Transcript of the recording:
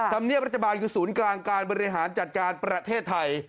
ธรรมเนียบรัฐบาลคือศูนย์กลางการบริหารจัดการประเทศไทย